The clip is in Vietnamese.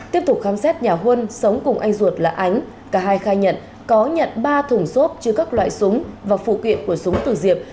tiếp tục khám xét nhà huân sống cùng anh ruột là ánh cả hai khai nhận có nhận ba thùng xốp chứa các loại súng và phụ kiện của súng từ diệp